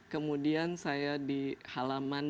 kemudian saya di halaman